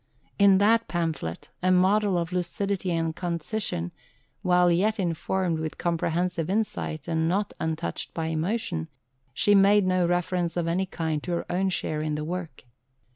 In that pamphlet a model of lucidity and concision while yet informed with comprehensive insight, and not untouched by emotion she made no reference of any kind to her own share in the work.